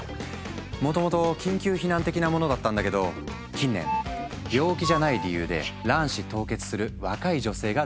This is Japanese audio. もともと緊急避難的なものだったんだけど近年病気じゃない理由で卵子凍結する若い女性が増加している。